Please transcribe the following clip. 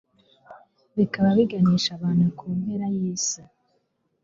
bikaba biganisha abantu ku mpera yisi